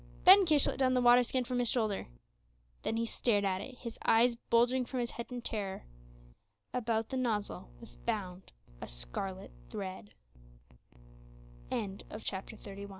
Ben Kish let down the water skin from his shoulder. Then he stared at it, his eyes bulging from his head in terror. About the nozzle was bound a scarlet thread. CHAPTER XXXII.